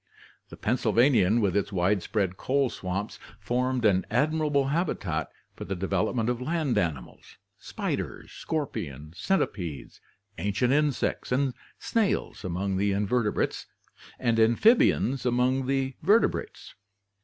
The Pennsylvanian with its widespread coal swamps formed an admirable habitat for the de velopment of land animals, spiders, scorpions, centipedes, ancient insects, and snails among the invertebrates, and amphibians among the vertebrates.